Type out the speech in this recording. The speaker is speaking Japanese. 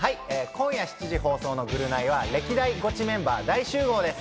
今夜７時放送の『ぐるナイ』は歴代ゴチメンバー大集合です。